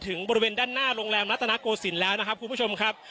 บริเวณด้านหน้าโรงแรมรัฐนาโกศิลป์แล้วนะครับคุณผู้ชมครับ